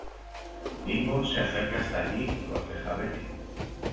Bimbo se acerca hasta allí y corteja a Betty.